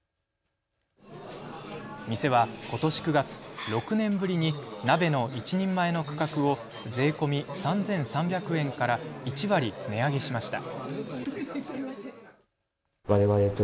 店はことし９月、６年ぶりに鍋の１人前の価格を税込み３３００円から１割値上げしました。